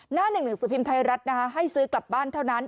หน้าหนึ่งหนังสือพิมพ์ไทยรัฐให้ซื้อกลับบ้านเท่านั้น